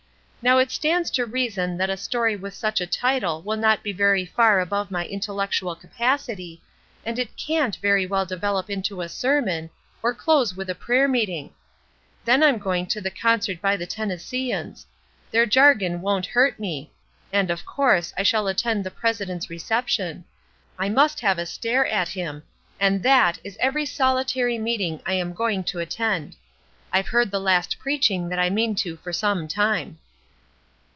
Now it stands to reason that a story with such a title will not be very far above my intellectual capacity, and it can't very well develop into a sermon, or close with a prayer meeting. Then I'm going to the concert by the Tennesseeans;' their jargon won't hurt me; and, of course, I shall attend the President's reception. I must have a stare at him and that is every solitary meeting I am going to attend. I've heard the last preaching that I mean to for some time."